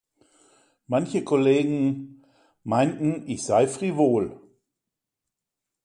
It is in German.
Manche Kollegen „meinten, ich sei frivol.